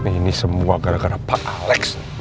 ini semua gara gara pak alex